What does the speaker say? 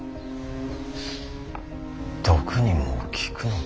毒にも効くのか。